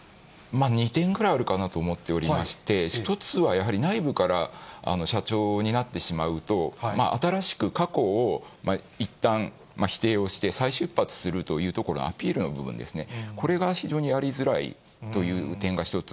２点ぐらいあるかなと思っておりまして、１つはやはり内部から社長になってしまうと、新しく過去をいったん否定をして、再出発するというところのアピールの部分ですね、これが非常にやりづらいという点が１つ。